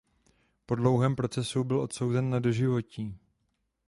Po dlouhém procesu byl odsouzen na doživotí.